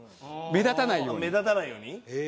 目立たないように？